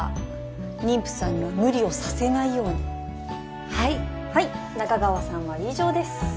妊婦さんには無理をさせないようにはいはい仲川さんは以上です